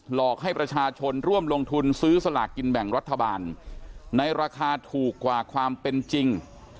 หลอกให้ประชาชนร่วมลงทุนซื้อสลากกินแบ่งรัฐบาลในราคาถูกกว่าความเป็นจริง